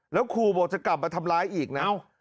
แล้วขู่บอกจะกลับมาทำร้ายอีกนะ